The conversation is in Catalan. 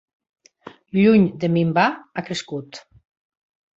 Lluny de minvar, ha crescut.